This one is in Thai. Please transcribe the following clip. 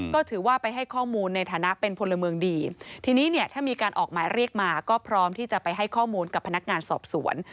ก็ถือว่าไปให้ข้อมูลในฐานะเป็นพลเมืองดีทีนี้เนี่ยถ้ามีการออกหมายเรียกมาก็พร้อมที่จะไปให้ข้อมูลกับพนักงานสอบสวน